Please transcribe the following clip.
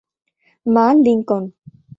মা, লিংকন।